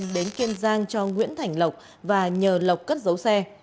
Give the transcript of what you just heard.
đào đã đến kiên giang cho nguyễn thành lộc và nhờ lộc cất dấu xe